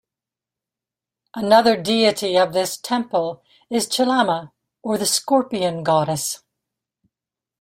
Another deity of this temple is Chelamma or the scorpion goddess.